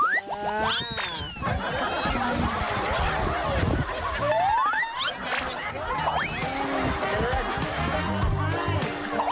ว้าว